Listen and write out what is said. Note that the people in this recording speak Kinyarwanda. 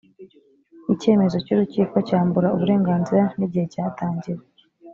icyemezo cy’urukiko cyambura uburenganzira n’igihe cyatangiwe